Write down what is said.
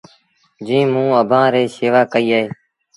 جيٚنٚ موٚنٚ اڀآنٚ ريٚ شيوآ ڪئيٚ اهي